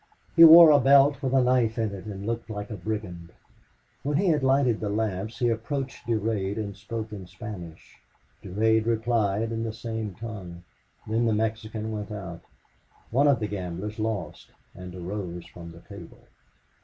He wore a belt with a knife in it and looked like a brigand. When he had lighted the lamps he approached Durade and spoke in Spanish. Durade replied in the same tongue. Then the Mexican went out. One of the gamblers lost and arose from the table.